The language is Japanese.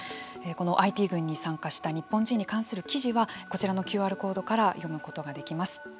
このＩＴ軍に参加した日本人に関する記事はこちらのＱＲコードから読むことができます。